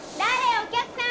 お客さん？